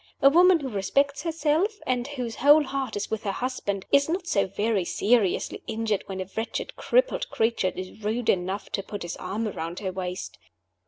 A woman who respects herself, and whose whole heart is with her husband, is not so very seriously injured when a wretched crippled creature is rude enough to put his arm around her waist.